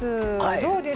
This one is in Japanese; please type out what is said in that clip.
どうです？